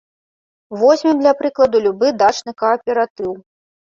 Возьмем, для прыкладу, любы дачны кааператыў.